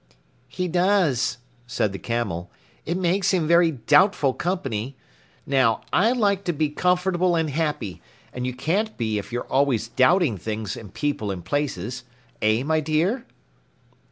"He does," said the Camel. "It makes him very doubtful company. Now, I like to be comfortable and happy, and you can't be if you're always doubting things and people and places. Eh, my dear?"